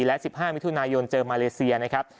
และ๑๕มิถุนายนเจอมาเลเซียนะครับ